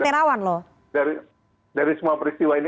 terawan loh dari semua peristiwa ini